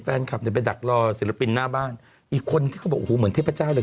แฟนคลับเนี่ยไปดักรอศิลปินหน้าบ้านอีกคนที่เขาบอกโอ้โหเหมือนเทพเจ้าเลย